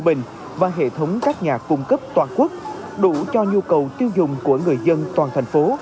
bình và hệ thống các nhà cung cấp toàn quốc đủ cho nhu cầu tiêu dùng của người dân toàn thành phố